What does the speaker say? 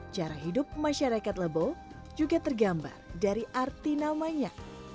cara hidup masyarakat lebo juga tergambar dari arti namanya